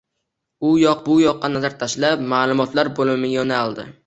U yoq bu yoqqa nazar tashlab, ma`lumotlar bo`limiga yo`naldi